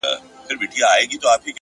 لوړ شخصیت له چلنده پېژندل کېږي,